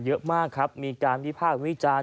เยอะมากครับมีการวิพากษ์วิจารณ์